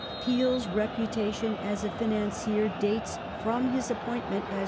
Peel Peel's reputation as a financier dates from his appointment as ^Cf.